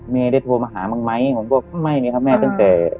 เมย์ได้โทรมาหามั้งไหมผมก็ไม่มีครับแม่ตั้งแต่